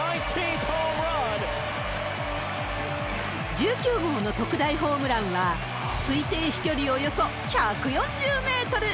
１９号の特大ホームランは、推定飛距離およそ１４０メートル。